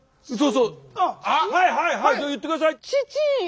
はいはいはいそれ言ってください。